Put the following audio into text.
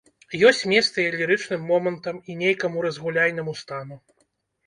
Ёсць месца і лірычным момантам і нейкаму разгуляйнаму стану.